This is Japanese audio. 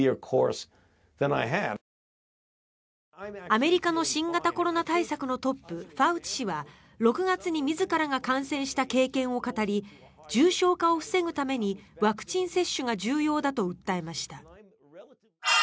アメリカの新型コロナ対策のトップファウチ氏は６月に自らが感染した経験を語り重症化を防ぐためにワクチン接種が重要だと訴えました。